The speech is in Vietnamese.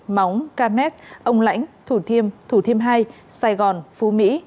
móng cam nét ông lãnh thủ thiêm thủ thiêm hai sài gòn phú mỹ